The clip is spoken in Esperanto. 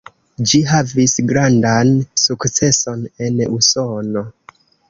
Ĝi havis grandan sukceson en Usono.